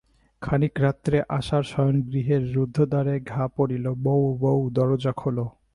খানিক রাত্রে আশার শয়নগৃহের রুদ্ধদ্বারে ঘা পড়িল, বউ, বউ, দরজা খোলো।